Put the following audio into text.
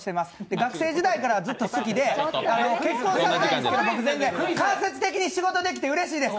学生時代からずっと好きで、結婚してますけど、全然平気で間接的に仕事できてうれしいです。